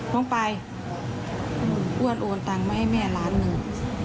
น้องไปอ้วนโอนตังค์มาให้แม่ล้านหนึ่ง